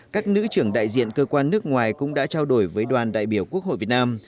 các nữ trưởng đại diện cơ quan nước ngoài cũng đã trao đổi với đoàn đại biểu quốc hội việt nam